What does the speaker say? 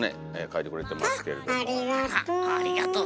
ありがとう。